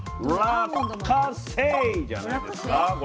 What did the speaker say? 落花生じゃないですか？